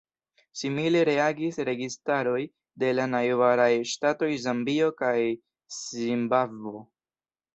Simile reagis registaroj de la najbaraj ŝtatoj Zambio kaj Zimbabvo.